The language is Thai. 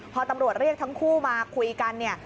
พอตำรวจเรียกทั้งคู่มาคุยกันเนี่ย